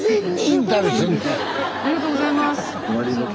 ありがとうございます。